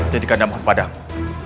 jadi kanda mohon padamu